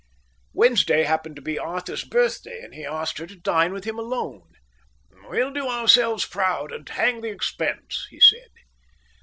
Wednesday happened to be Arthur's birthday, and he asked her to dine with him alone. "We'll do ourselves proud, and hang the expense," he said.